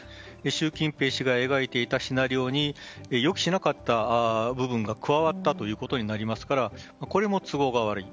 習近平氏が描いていたシナリオに予期しなかった部分が加わったということになりますからこれも都合が悪い。